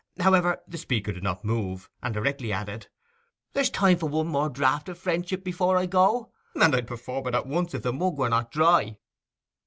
However, the speaker did not move, and directly added, 'There's time for one more draught of friendship before I go; and I'd perform it at once if the mug were not dry.